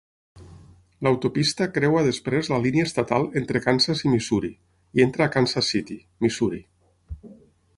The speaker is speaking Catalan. L'autopista creua després la línia estatal entre Kansas i Missouri i entra a Kansas City, Missouri.